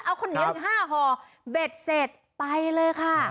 เอาคนเดียวกันห้าห่อเบ็ดเสร็จไปเลยค่ะ